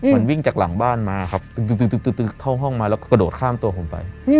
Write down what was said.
มันวิ่งจากหลังบ้านมาครับเข้าห้องมาแล้วก็กระโดดข้ามตัวผมไป